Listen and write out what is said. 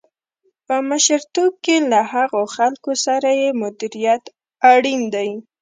په مشرتوب کې له هغو خلکو سره یې مديريت اړين دی.